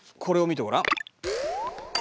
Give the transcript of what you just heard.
これを見てごらん。